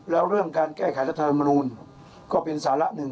แล้วเรื่องการแก้ไขรัฐธรรมนูลก็เป็นสาระหนึ่ง